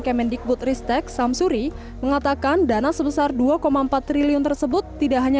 kemendikbud ristek samsuri mengatakan dana sebesar dua empat triliun tersebut tidak hanya